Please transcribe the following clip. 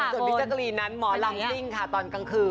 ส่วนพี่แจ๊กรีนนั้นหมอลำซิ่งค่ะตอนกลางคืน